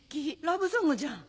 ラブソングじゃん。